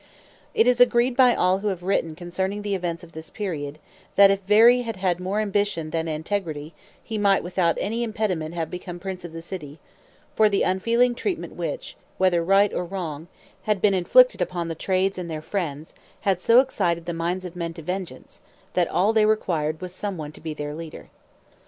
It is agreed by all who have written concerning the events of this period, that if Veri had had more ambition than integrity he might without any impediment have become prince of the city; for the unfeeling treatment which, whether right or wrong, had been inflicted upon the trades and their friends, had so excited the minds of men to vengeance, that all they required was some one to be their leader.